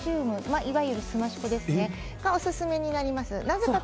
いわゆるすまし粉がオススメになります。